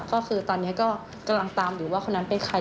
ก็คือตอนนี้ก็กำลังตามอยู่ว่าคนนั้นเป็นใคร